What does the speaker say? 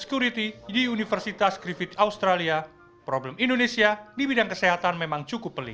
security di universitas griffith australia problem indonesia di bidang kesehatan memang cukup pelik